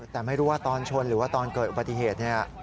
แต่ไม่รู้ว่าตอนชนหรือว่าตอนเกิดอุบัติเหตุเนี่ย